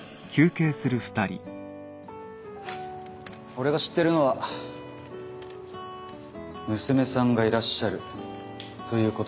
俺が知ってるのは娘さんがいらっしゃるということだけですが。